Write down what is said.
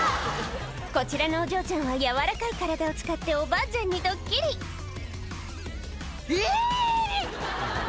こちらのお嬢ちゃんはやわらかい体を使っておばあちゃんにドッキリ「えぇ！」